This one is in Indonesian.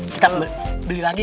kita beli lagi ya